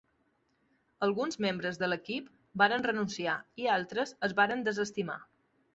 Alguns membres de l'equip varen renunciar i altres es varen desestimar.